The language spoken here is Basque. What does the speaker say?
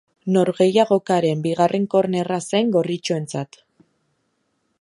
Norgehiagokaren bigarren kornerra zen gorritxoentzat.